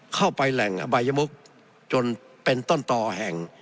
เข้าไปแหล่งอบายมุกจนเป็นต้นต่อแห่ง